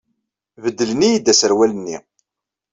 Beddlen-iyi-d aserwal-nni.